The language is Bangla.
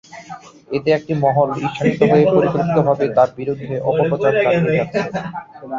এতে একটি মহল ঈর্ষান্বিত হয়ে পরিকল্পিতভাবে তাঁর বিরুদ্ধে অপপ্রচার চালিয়ে যাচ্ছে।